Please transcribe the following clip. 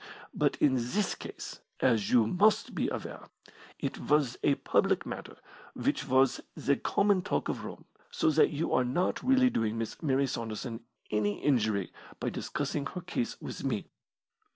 But in this case, as you must be aware, it was a public matter which was the common talk of Rome, so that you are not really doing Miss Mary Saunderson any injury by discussing her case with me.